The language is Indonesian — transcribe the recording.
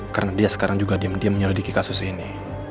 karena dia sekarang juga diam diam menyalidiki kasus ini